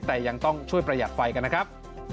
แต่ยังต้องช่วยประหยัดไฟกันนะครับ